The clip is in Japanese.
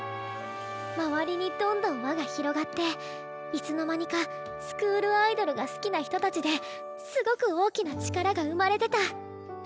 周りにどんどん輪が広がっていつの間にかスクールアイドルが好きな人たちですごく大きな力が生まれてた。